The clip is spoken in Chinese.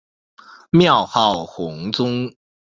庙号弘宗。